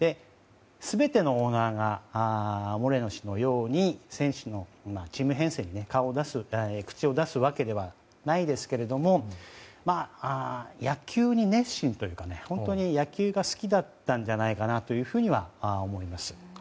全てのオーナーがモレノ氏のように選手のチーム編成に口を出すわけではないですが野球に熱心というか本当に野球が大好きだったんじゃないかと思います。